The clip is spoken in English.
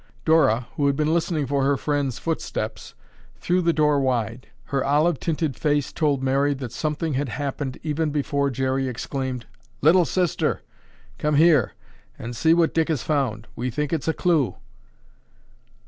Dora, who had been listening for her friend's footsteps, threw the door wide. Her olive tinted face told Mary that something had happened even before Jerry exclaimed: "Little Sister, come here and see what Dick has found. We think it's a clue."